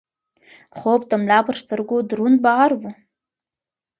خوب د ملا پر سترګو دروند بار و.